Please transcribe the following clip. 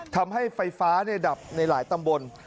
ทำให้ไฟฟ้าดับในหลายตำบล